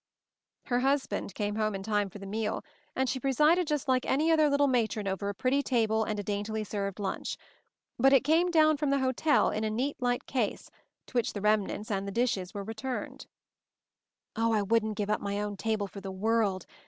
Her husband came home in time for the meal, and she presided just like any other little matron over a pretty table and a daint ily served lunch ; but it came down from the hotel in a neat, light case, to which the rem nants and the dishes were returned. "O, I wouldn't give up my own table for the world!